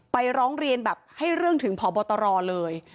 ร้องเรียนแบบให้เรื่องถึงพบตรเลย